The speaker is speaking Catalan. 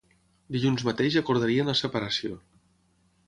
Dilluns mateix acordarien la separació.